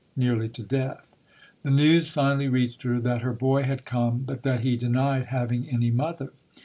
nearly to death. The news finally reached her that her boy had come, but that he denied having any mother.